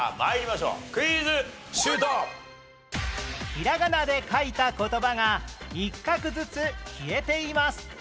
ひらがなで書いた言葉が一画ずつ消えています